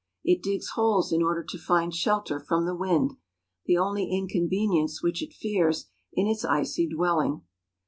It digs holes in order to find shelter from the wind, the only inconvenience which it fears in its icy dwelling.